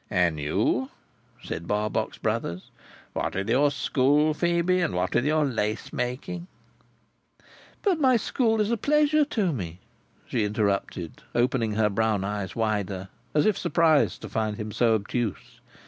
"And you," said Barbox Brothers, "what with your school, Phœbe, and what with your lace making—" "But my school is a pleasure to me," she interrupted, opening her brown eyes wider, as if surprised to find him so obtuse.